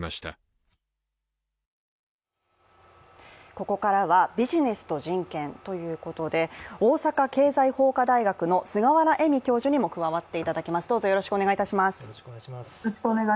ここからはビジネスと人権ということで大阪経済法科大学の菅原絵美教授にも加わっていただきます。